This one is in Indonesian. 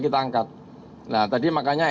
kita angkat nah tadi makanya